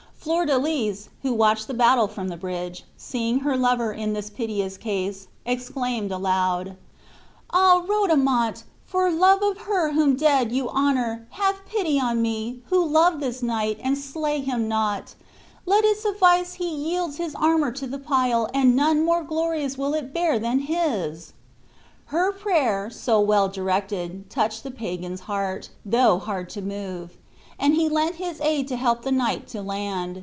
Flordelis, who watched the battle from the bridge, seeing her lover in this piteous case, exclaimed aloud, "Ah! Rodomont, for love of her whom dead you honor, have pity on me, who love this knight, and slay him not. Let it suffice he yields his armor to the pile, and none more glorious will it bear than his." Her prayer, so well directed, touched the pagan's heart, though hard to move, and he lent his aid to help the knight to land.